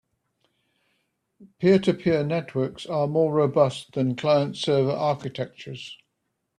Peer-to-peer networks are more robust than client-server architectures.